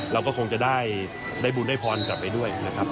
เราก็คงจะได้บุญได้พรกลับไปด้วยนะครับ